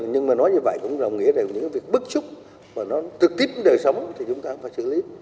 nhưng mà nói như vậy cũng là những việc bất xúc mà nó trực tiếp đến đời sống thì chúng ta cũng phải xử lý